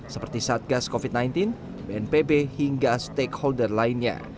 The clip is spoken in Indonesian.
seperti satgas covid sembilan belas bnpb hingga stakeholder lainnya